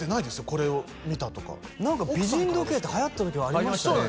これを見たとか何か美人時計ってはやった時ありましたよね